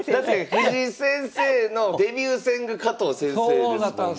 藤井先生のデビュー戦が加藤先生ですもんね。